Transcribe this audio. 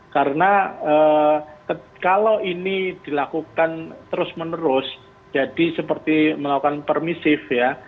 karena kalau ini dilakukan terus menerus jadi seperti melakukan permissive ya